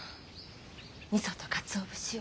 みそとかつお節を。